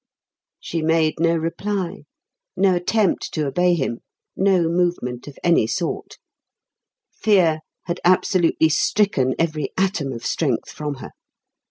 She made no reply, no attempt to obey him, no movement of any sort. Fear had absolutely stricken every atom of strength from her.